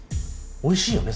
おいしいよね